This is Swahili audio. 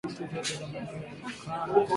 Kaunti zote za maeneo yenye ukame